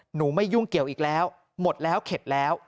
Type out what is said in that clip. ไม่ยุ่งเกี่ยวอีกแล้วหมดแล้วเข็ดแล้ว